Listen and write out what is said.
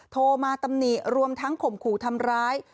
โทรมาตำหนิรวมทั้งข่มขู่ทำร้าย